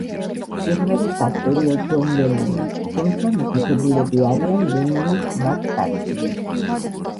სიმღერის ავტორია ჯონ ლენონი, თუმცა მითითებულები არიან ლენონი–მაკ-კარტნი.